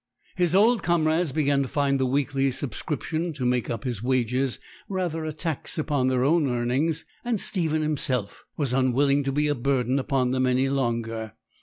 His old comrades began to find the weekly subscription to make up his wages rather a tax upon their own earnings; and Stephen himself was unwilling to be a burden upon them any longer.